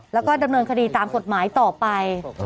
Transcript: แล้วก็ดำเนินคดีตามกฎหมายต่อไป